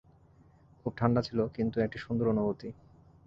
খুব ঠান্ডা ছিল, কিন্তু একটি সুন্দর অনুভূতি।